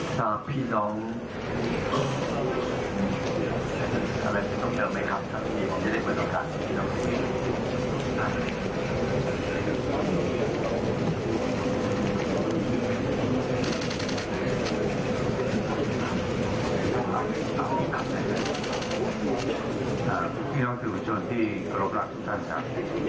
ครับพี่น้องทฤวชนที่กระโดดรับทุกท่านครับ